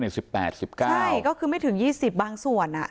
ใช่ก็คือไม่ถึง๒๐บางส่วน